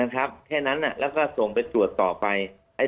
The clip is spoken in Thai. แค่นั้นแล้วก็ส่งไปตรวจต่อไป